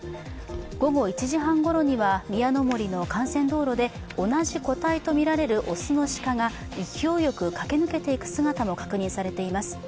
午後１時半ごろには、宮の森の幹線道路で同じ個体とみられる雄の鹿が勢いよく駆け抜けていく姿が確認されています。